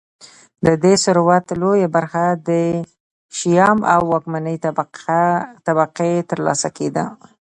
د دې ثروت لویه برخه د شیام او واکمنې طبقې ترلاسه کېده